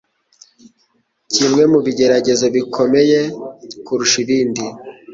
Kimwe mu bigeragezo bikomeye kurusha ibindi